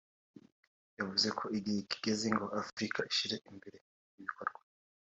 yavuze ko igihe kigeze ngo Afurika ishyire imbere ibikorwa